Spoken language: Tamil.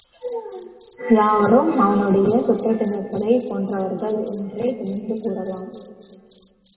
யாவரும் அவனுடைய சுற்றத்தினர்களைப் போன்றவர்கள் என்றே துணிந்து கூறலாம்.